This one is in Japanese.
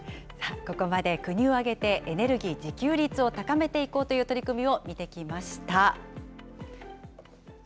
ここまで、国を挙げてエネルギー自給率を高めていこうという取り組みを見てきました。